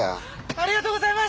ありがとうございます！